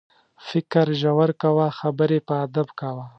فکر ژور کوه، خبرې په ادب کوه.